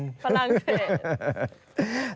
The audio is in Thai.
ฝรั่งเศส